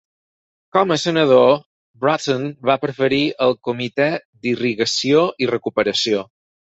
Com a senador, Bratton va presidir el Comitè d'Irrigació i Recuperació.